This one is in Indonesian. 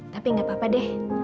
tapi gak apa apa deh